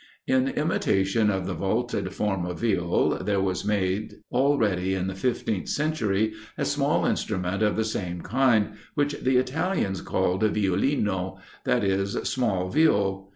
In imitation of the vaulted form of Viol, there was made, already in the fifteenth century, a small instrument of the same kind, which the Italians called Violino, that is, small Viol.